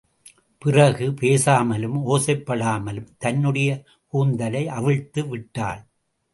பிறகு, பேசாமலும், ஒசைப் படாமலும் தன்னுடைய கூந்தலை அவிழ்த்து விட்டாள்.